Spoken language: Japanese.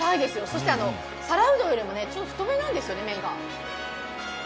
そして皿うどんよりも太めなんですよね、麺が。